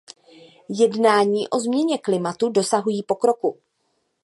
Jednání o změně klimatu dosahují pokroku.